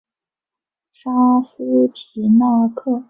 沙斯皮纳克。